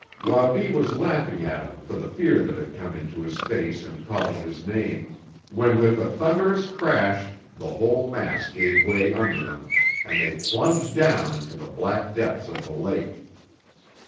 Wabi was laughing at him for the fear that had come into his face, and calling his name, when with a thunderous crash the whole mass gave way under them, and they plunged down into the black depths of the lake.